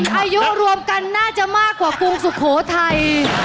อายุรวมกันน่าจะมากกว่ากรุงสุโขทัย